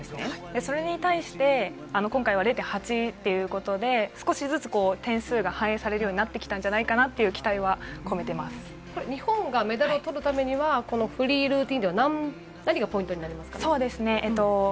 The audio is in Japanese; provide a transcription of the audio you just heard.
それに対して今回は０．８っていうことで、少しずつ点数が反映されるようになってきたんじゃない日本がメダルを取るためには、フリールーティンでは何がポイントになりますか？